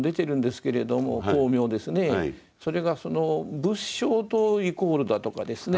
それがその仏性とイコールだとかですね